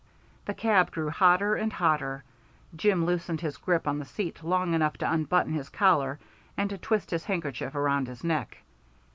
The cab grew hotter and hotter. Jim loosened his grip on the seat long enough to unbutton his collar and to twist his handkerchief around his neck.